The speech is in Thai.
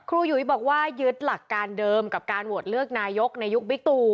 หยุยบอกว่ายึดหลักการเดิมกับการโหวตเลือกนายกในยุคบิ๊กตู